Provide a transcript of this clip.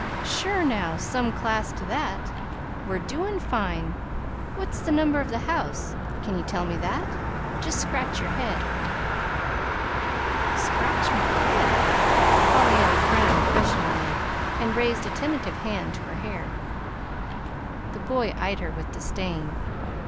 Sure, now, some class to that! We're doin' fine. What's the number of the house? Can ye tell me that? Just scratch your head!" "Scratch my head?" Pollyanna frowned questioningly, and raised a tentative hand to her hair. The boy eyed her with disdain.